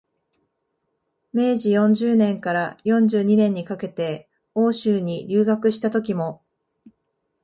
明治四十年から四十二年にかけて欧州に留学したときも、